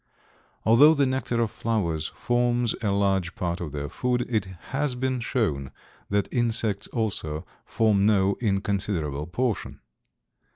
Although the nectar of flowers forms a large part of their food, it has been shown that insects also form no inconsiderable portion.